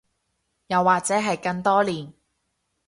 又或者係更多年